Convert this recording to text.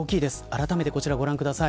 あらためてこちらご覧ください。